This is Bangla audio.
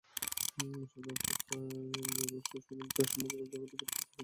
সর্বপ্রকার জ্ঞেয়বস্তু-সমন্বিত সমগ্র জগৎ পুরুষের নিকট যেন শূন্যে পরিণত হয়।